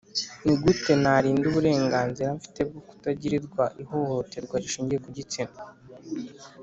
Ni gute narinda uburenganzira mfite bwo kutagirirwa ihohoterwa rishingiye ku gitsina